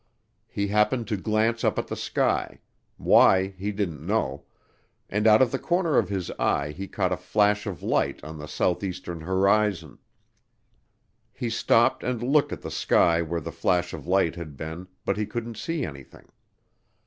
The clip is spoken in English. He happened to glance up at the sky why, he didn't know and out of the corner of his eye he caught a flash of light on the southeastern horizon. He stopped and looked at the sky where the flash of light had been but he couldn't see anything.